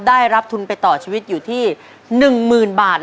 ได้รับทุนไปต่อชีวิตอยู่ที่๑๐๐๐บาท